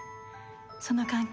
その関係。